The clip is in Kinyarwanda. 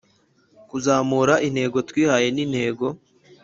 kuzamura Intego twihaye nintego